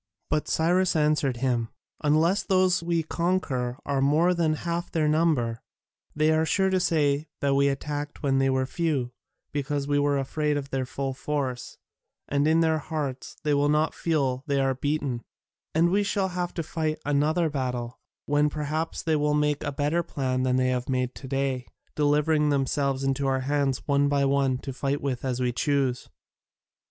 But Cyrus answered him, "Unless those we conquer are more than half their number, they are sure to say that we attacked when they were few, because we were afraid of their full force, and in their hearts they will not feel that they are beaten; and we shall have to fight another battle, when perhaps they will make a better plan than they have made to day, delivering themselves into our hands one by one, to fight with as we choose."